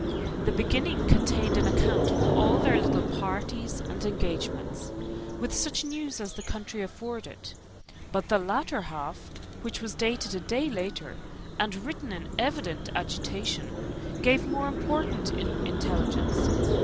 The beginning contained an account of all their little parties and engagements, with such news as the country afforded; but the latter half, which was dated a day later, and written in evident agitation, gave more important intelligence.